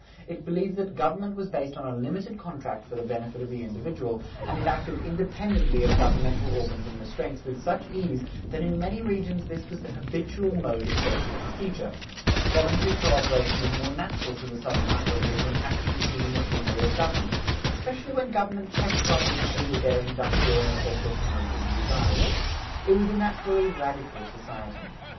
It believed that government was based on a limited contract for the benefit of the individual, and it acted independently of governmental organs and restraints with such ease that in many regions this was the habitual mode of social procedure: voluntary coöperation was more natural to the Southern Uplanders than action through the machinery of government, especially when government checked rather than aided their industrial and social tendencies and desires. It was a naturally radical society.